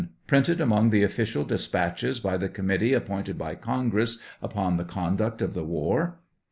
Printed among the official despatches by the com mittee appointed by Congress upon the conduct of the war?